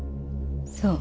そう。